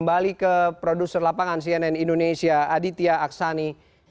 kembali ke produser lapangan cnn indonesia aditya aksani